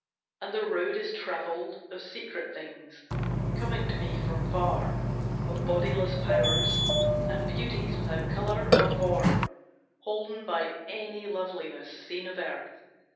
And the road is travelled of secret things, Coming to me from far Of bodiless powers, And beauties without colour or form Holden by any loveliness seen of earth.